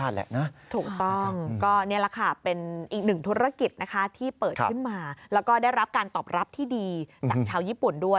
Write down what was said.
ที่เปิดขึ้นมาแล้วก็ได้รับการตอบรับที่ดีจากชาวญี่ปุ่นด้วย